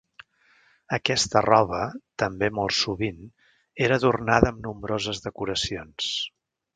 Aquesta roba també molt sovint era adornada amb nombroses decoracions.